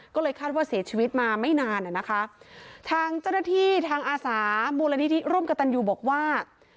ก็เลยคาดว่าเสียชีวิตมาไม่นานอ่ะนะคะทางเจ้าหน้าที่ทางอาสามูลนิธิร่วมกับตันยูบอกว่า